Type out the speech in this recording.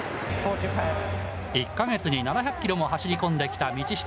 １か月に７００キロも走り込んできた道下。